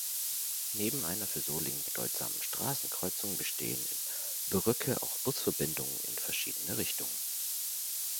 Neben einer für Solingen bedeutsamen Straßenkreuzung bestehen in Brücke auch Busverbindungen in verschiedene Richtungen.